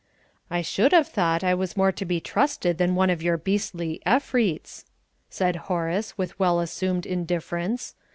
"I should have thought I was more to be trusted than one of your beastly Efreets!" said Horace, with well assumed indifference.